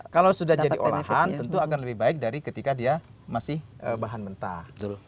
kalau sudah jadi olahan tentu akan lebih baik dari ketika dia masih bahan mentah